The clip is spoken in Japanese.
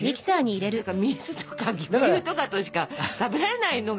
水とか牛乳とかとしか食べられないのが。